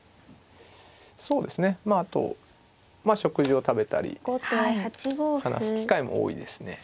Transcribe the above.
そうですねまああと食事を食べたり話す機会も多いですね。